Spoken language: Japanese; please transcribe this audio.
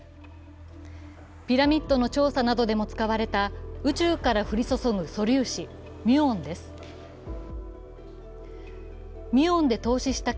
ピラミッドの調査などでも使われた宇宙からふりそそぐ素粒子・ミュオンです。